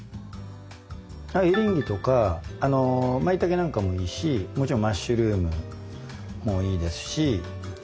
エリンギとかまいたけなんかもいいしもちろんマッシュルームもいいですし。